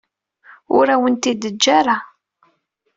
Ur awen-tent-id-teǧǧa ara.